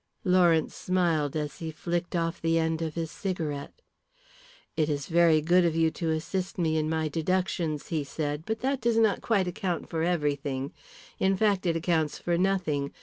Lawrence smiled as he flicked off the end of his cigarette. "It is very good of you to assist me in my deductions," he said. "But that does not quite account for everything; in fact, it accounts for nothing.